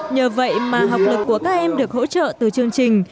nhờ vậy mà học lực của các em được hỗ trợ từ chương trình